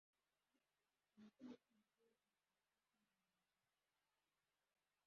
umusore ukiri muto wirukanwa kumatiku yumuhondo